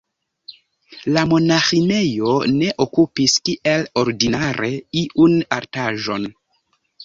La monaĥinejo ne okupis, kiel ordinare, iun altaĵon.